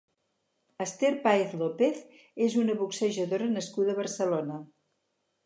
Esther Paez López és una boxejadora nascuda a Barcelona.